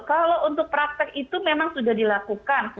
kalau untuk praktek itu memang sudah dilakukan